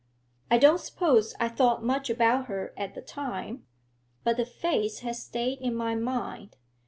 I don't suppose I thought much about her at the time, but the face has stayed in my mind.